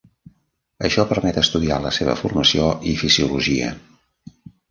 Això permet estudiar la seva formació i fisiologia.